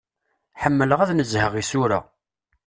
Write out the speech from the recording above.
Ḥemmleɣ ad nezheɣ isura.